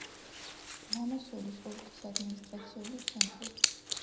ლიმასოლის ოლქის ადმინისტრაციული ცენტრი.